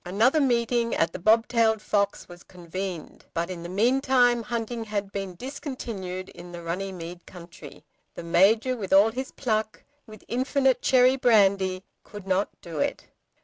Another meeting at The Bobtailed Fox was convened. But in the meantime hunting had been discontinued in the Runnymede country. The Major with all his pluck, with infinite cherry brandy, could not do it.